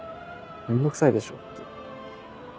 「面倒くさいでしょ」って。